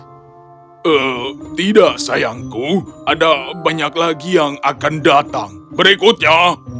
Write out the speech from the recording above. tidak sayangku ada banyak lagi yang akan datang berikutnya